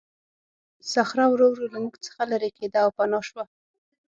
صخره ورو ورو له موږ څخه لیرې کېده او پناه شوه.